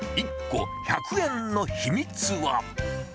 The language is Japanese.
１個１００円の秘密は。